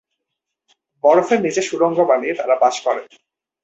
বরফের নিচে সুড়ঙ্গ বানিয়ে তারা বাস করে।